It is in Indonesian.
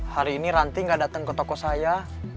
hari ini rantih gak dateng ke toko saya